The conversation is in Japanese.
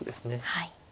はい。